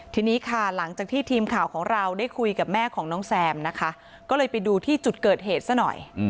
ทีนี้ค่ะหลังจากที่ทีมข่าวของเราได้คุยกับแม่ของน้องแซมนะคะก็เลยไปดูที่จุดเกิดเหตุซะหน่อย